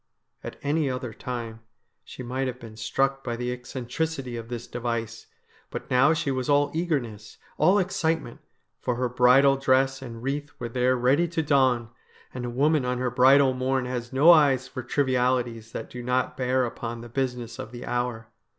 At any other time she might have been struck by the eccen tricity of this device ; but now she was all eagerness, all excitement, for her bridal dress and wreath were there ready to don, and a woman on her bridal morn has no eyes for trivialities that do not bear upon the business of the hour.